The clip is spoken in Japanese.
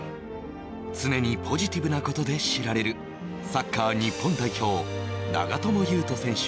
常にポジティブなことで知られるサッカー日本代表長友佑都選手